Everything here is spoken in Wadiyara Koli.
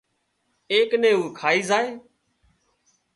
ايڪ نين اُو کائي زائي